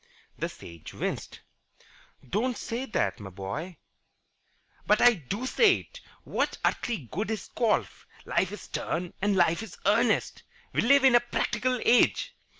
The Sage winced. "Don't say that, my boy." "But I do say it. What earthly good is golf? Life is stern and life is earnest. We live in a practical age.